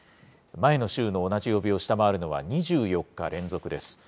前の週の同じ曜日を下回るのは２４日連続です。